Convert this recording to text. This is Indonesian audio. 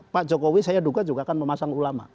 pak jokowi saya duga juga akan memasang ulama